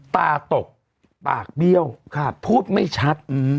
ตาตกปากเบี้ยวพูดไม่ชัด